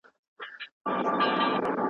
اقتصاد مخ په ځوړ روان و.